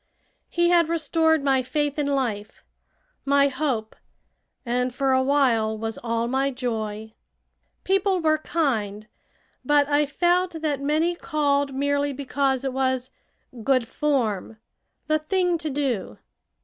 He had restored my faith in life, my hope, and for a while was all my joy. People were kind, but I felt that many called merely because it was "good form" "the thing to do."